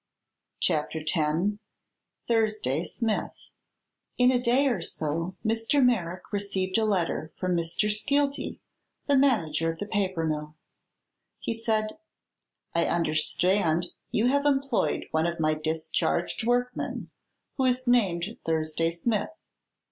CHAPTER X THURSDAY SMITH In a day or so Mr. Merrick received a letter from Mr. Skeelty, the manager of the paper mill. He said: "I understand you have employed one of my discharged workmen, who is named Thursday Smith.